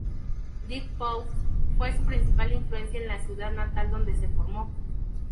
Dirk Bouts fue su principal influencia en su ciudad natal, donde se formó.